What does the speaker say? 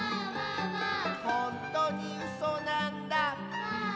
「ほんとにうそなんだ」